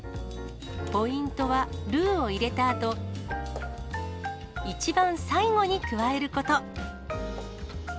ポイントは、ルウを入れたあと、一番最後に加えること。